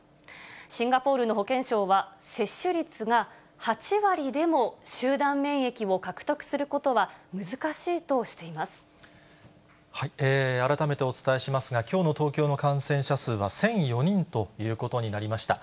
シンガポールの保健省は、接種率が８割でも集団免疫を獲得するこ改めてお伝えしますが、きょうの東京の感染者数は１００４人ということになりました。